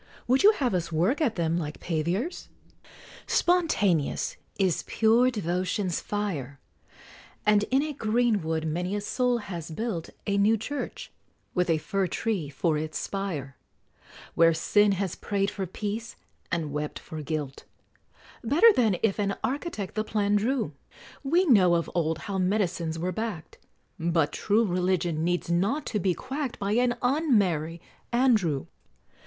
Would you have us work at them like paviors? Spontaneous is pure devotion's fire; And in a green wood many a soul has built A new Church, with a fir tree for its spire, Where Sin has prayed for peace, and wept for guilt, Better than if an architect the plan drew; We know of old how medicines were back'd, But true Religion needs not to be quack'd By an Un merry Andrew!